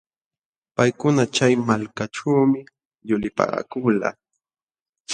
Paykuna chay malkaćhuumi yulipaakulqaa.